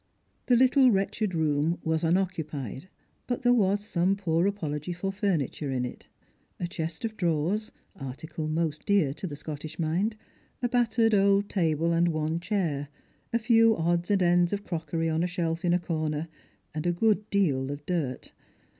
The little wretched room was unoccupied, but there was some poor apology for furniture in it. A chest of drawers — article most dear to the Scottish mind — a battered old table and one chair, a few odds and ends of crockery on a shelf in a corner, and a good deal of dirt.